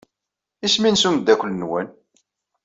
Isem-nnes umeddakel-nwen?